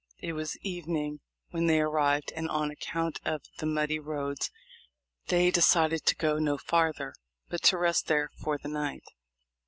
It was evening when they arrived, and on account of the muddy roads they decided to go no farther, but to rest there for the night.